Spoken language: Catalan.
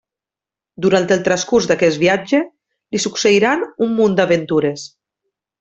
Durant el transcurs d'aquest viatge li succeiran un munt d'aventures.